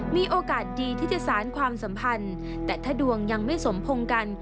มีโอกาสดีที่จะสารความสัมพันธ์แต่ถ้าดวงยังไม่สมพงษ์กัน